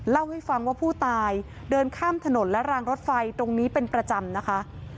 เล่าให้ฟังว่าผู้ตายเดินข้ามถนนและรางรถไฟตรงนี้เป็นประจำนะคะ